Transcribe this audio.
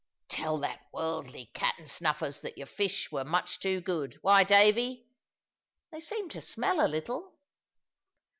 "Tell that worldly 'Cat and Snuffers' that your fish were much too good why, Davy, they seem to smell a little!"